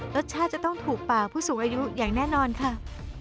รสชาติจะต้องถูกปากผู้สูงอายุอย่างแน่นอนค่ะ